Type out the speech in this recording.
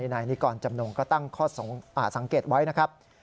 นายนิกรจำนงก็ตั้งข้อสังเกตไว้นะครับ